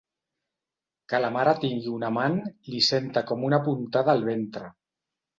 Que la mare tingui un amant li senta com una puntada al ventre.